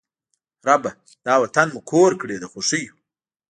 ربه! دا وطن مو کور کړې د خوښیو